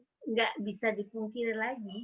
tidak bisa dipungkiri lagi